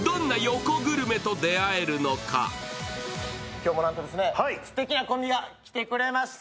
今日もすてきなコンビが来てくれました。